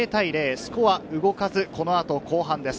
スコアは動かず、この後、後半です。